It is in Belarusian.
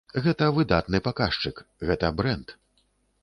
Гэта выдатны паказчык, гэта брэнд.